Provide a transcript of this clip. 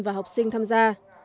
và học sinh tham gia